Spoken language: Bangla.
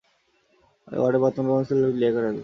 এ ওয়ার্ডের বর্তমান কাউন্সিলর হলেন লিয়াকত আলী।